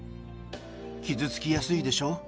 傷付きやすいでしょう。